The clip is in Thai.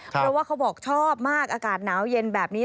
เพราะว่าเขาบอกชอบมากอากาศหนาวเย็นแบบนี้